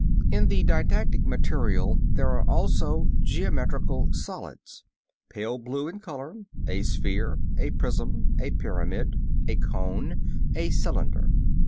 In the didactic material there are also geometrical solids pale blue in color a sphere, a prism, a pyramid, a cone, a cylinder.